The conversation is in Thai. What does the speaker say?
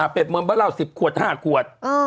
เปิดเมมเบอร์เล่า๑๐ขวด๕ขวด